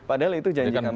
padahal itu janji kampanye